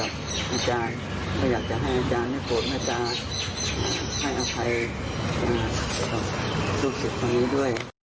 ผมอยากจะให้อาจารย์ได้โฟร์ของอาจารย์ให้อภัยของลูกศึกคนนี้ด้วย